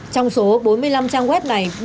trong số bốn mươi năm trang web này